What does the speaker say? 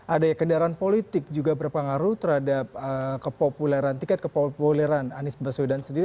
ada kendaraan politik juga berpengaruh terhadap kepopuleran tiket kepopuleran anies baswedan sendiri